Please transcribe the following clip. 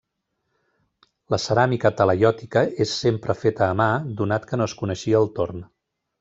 La ceràmica talaiòtica és sempre feta a mà, donat que no es coneixia el torn.